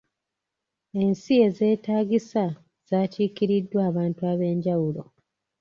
Ensi ezeetaagisa zaakiikiriddwa abantu ab'enjawulo